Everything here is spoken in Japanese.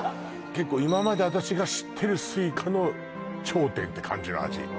結構今まで私が知ってるスイカの頂点って感じの味